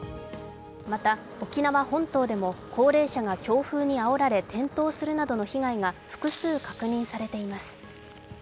また、沖縄本島でも高齢者が強風にあおられ転倒するなどの被害が複数確認されています。